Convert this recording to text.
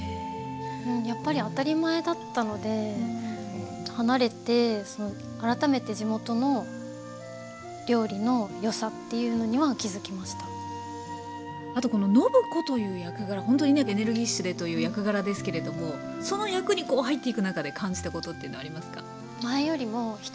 やっぱり当たり前だったので離れてあとこの暢子という役柄ほんとにねエネルギッシュでという役柄ですけれどもその役に入っていく中で感じたことっていうのはありますか？